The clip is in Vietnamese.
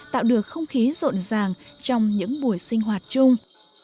tạo được không khí rộn ràng trong những buổi sinh hoạt chung